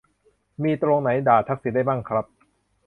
มีตรงไหนด่าทักษิณได้มั่งครับ